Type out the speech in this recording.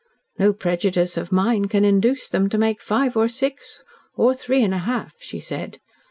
"No prejudice of mine can induce them to make five or six or three and a half," she said.